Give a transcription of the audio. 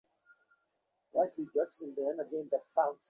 কিন্তু পরিতাপের বিষয় হলো এখানে কোনো পাঠাগার নেই।